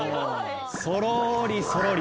そろりそろり。